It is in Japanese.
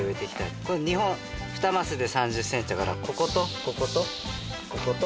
２マスで３０ｃｍだからこことこことここと。